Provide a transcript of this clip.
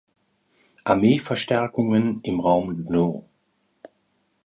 Armee Verstärkungen im Raum Dno.